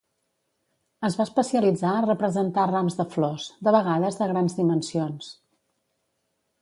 Es va especialitzar a representar rams de flors, de vegades de grans dimensions.